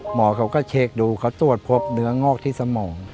หมอเขาก็เช็คดูเขาตรวจพบเนื้องอกที่สมอง